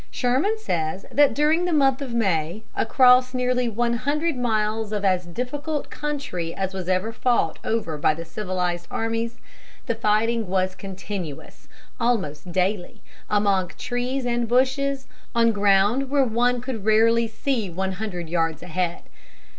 Sherman says that during the month of May, across nearly one hundred miles of as difficult country as was ever fought over by civilized armies, the fighting was continuous, almost daily, among trees and bushes, on ground where one could rarely see one hundred yards ahead.